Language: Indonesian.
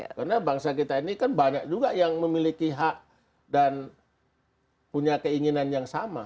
karena bangsa kita ini kan banyak juga yang memiliki hak dan punya keinginan yang sama